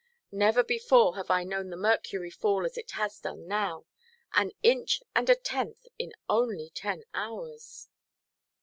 Never before have I known the mercury fall as it has done now. An inch and a tenth in only ten hours!"